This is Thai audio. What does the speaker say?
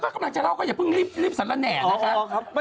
กำลังจะเล่าก็อย่าเพิ่งรีบสรรละแหน่นะคะ